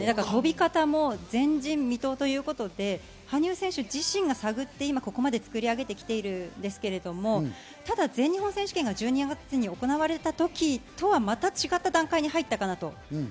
跳び方も前人未到ということで、羽生選手自身が探ってここまで作り上げてきているんですけれども、全日本選手権が１２月に行われた時とはまた違った段階に入ったかなと。